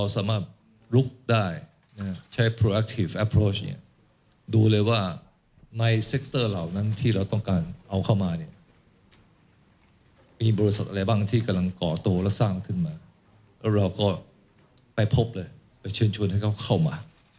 สตรัคเจอร์ตลาดทุนของเรา